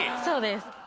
そうです。